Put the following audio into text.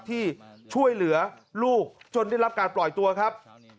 ที่ช่วยเหลือลูกจนได้รับการปล่อยตัวครับ